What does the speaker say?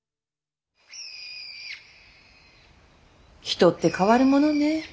人って変わるものね。